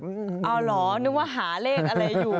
เอาเหรอนึกว่าหาเลขอะไรอยู่